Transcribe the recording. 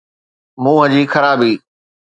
منهن جي خرابي.